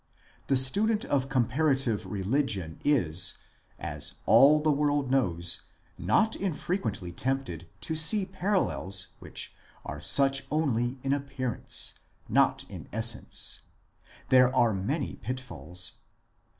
The student of Com parative Religion is, as all the world knows, not infrequently tempted to see parallels which are such only in appearance, not in essence ; there are many pitfalls.